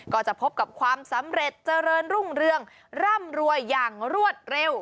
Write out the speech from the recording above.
ก็จะพบกับความสำเร็จเจริญรุ่งเรืองร่ำรวยอย่างรวดเร็ว